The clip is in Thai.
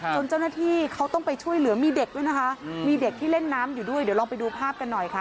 เจ้าหน้าที่เขาต้องไปช่วยเหลือมีเด็กด้วยนะคะมีเด็กที่เล่นน้ำอยู่ด้วยเดี๋ยวลองไปดูภาพกันหน่อยค่ะ